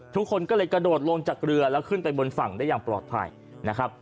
ทุกคนก็เลยกระโดดลงจากเรือแล้วขึ้นไปบนฝั่งได้อย่างปลอดภัยนะครับ